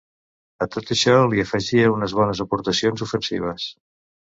A tot això li afegia unes bones aportacions ofensives.